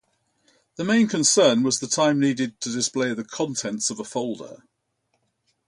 The main concern was the time needed to display the contents of a folder.